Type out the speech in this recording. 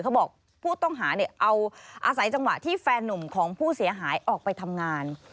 ผู้ต้องหาเนี่ยเอาอาศัยจังหวะที่แฟนนุ่มของผู้เสียหายออกไปทำงาน